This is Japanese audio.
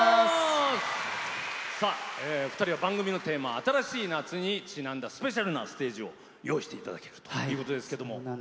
２人は番組のテーマ「新しい夏」にちなんだスペシャルなステージを用意していただいたということですけど。